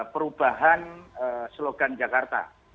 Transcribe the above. perubahan slogan jakarta